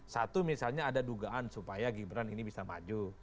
satu misalnya ada dugaan supaya gibran ini bisa maju